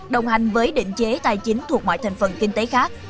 đồng hành với định chế tài chính thuộc mọi thành phần kinh tế khác